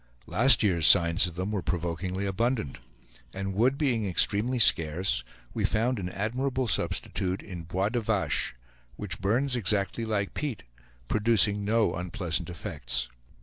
Last year's signs of them were provokingly abundant; and wood being extremely scarce, we found an admirable substitute in bois de vache, which burns exactly like peat, producing no unpleasant effects.